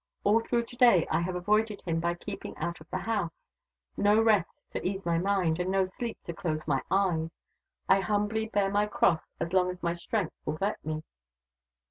All through to day I have avoided him by keeping out of the house. No rest to ease my mind, and no sleep to close my eyes. I humbly bear my cross as long as my strength will let me."